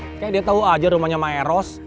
kayaknya dia tau aja rumahnya maeros